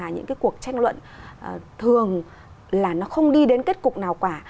những cái cuộc tranh luận thường là nó không đi đến kết cục nào quả